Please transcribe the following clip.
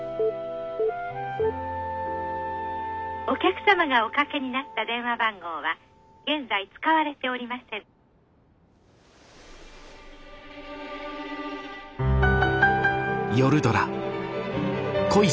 「お客様がお掛けになった電話番号は現在使われておりません」。